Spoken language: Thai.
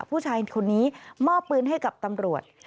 ผู้ชายคนนี้มอบปืนให้กับตำรวจ